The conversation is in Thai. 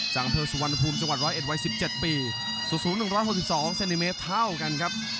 จังเผลสุวรรณภูมิจังหวัด๑๑๗ปีสุดสูง๑๖๒เซนติเมตรเท่ากันครับ